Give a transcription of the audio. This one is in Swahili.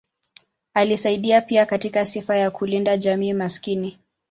Alisaidia pia katika sifa ya kulinda jamii maskini.